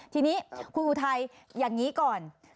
ทีนี้คุณอุทัยอย่างนี้ก่อน